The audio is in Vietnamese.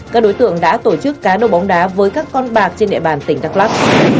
các đối tượng đã tổ chức cá độ bóng đá với các con bạc trên địa bàn tỉnh đắk lắc